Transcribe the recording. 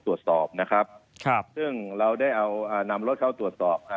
ตรวจสอบนะครับครับซึ่งเราได้เอาอ่านำรถเข้าตรวจสอบอ่า